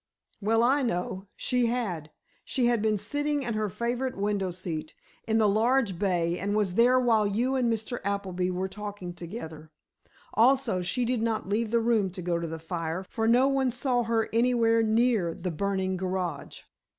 "Well, I know. She had. She had been sitting in her favorite window seat, in the large bay, and was there while you and Mr. Appleby were talking together. Also, she did not leave the room to go to the fire, for no one saw her anywhere near the burning garage."